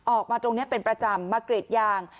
ออกมาตรงนี้เป็นประจำมากรีดยาง